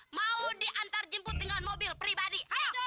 mau diantar jemput dengan mobil pribadi